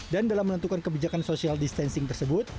dan dalam menentukan kebijakan social distancing tersebut